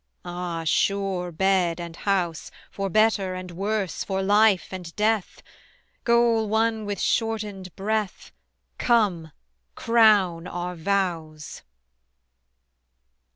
Ah, sure bed and house, For better and worse, for life and death: Goal won with shortened breath: Come, crown our vows.